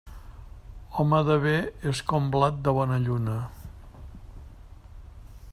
Home de bé és com blat de bona lluna.